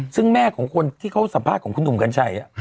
ซึ่งแม่ของคนที่เขาสัมภาษณ์ของคุณหนุ่มกัญชัย